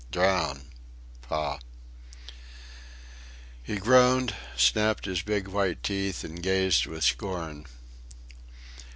drown.... Pah." He groaned, snapped his big white teeth, and gazed with scorn.